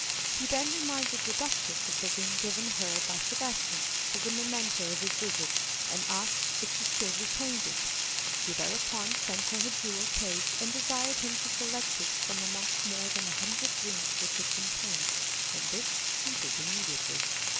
He then reminded the Duchess of the ring given her by Sebastian as a memento of his visit, and asked if she still retained it. She thereupon sent for her jewel case and desired him to select it from amongst more than a hundred rings which it contained, and this he did immediately.